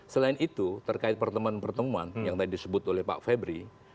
selain itu terkait pertemuan pertemuan yang tadi disebut oleh pak febri